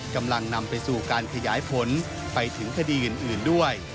กำลังนำไปสู่การขยายผลไปถึงคดีอื่นด้วย